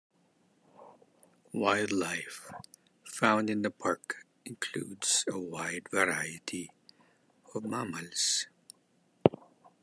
Wildlife found in the park includes a wide variety of mammals.